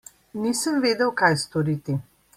Nisem vedel, kaj storiti.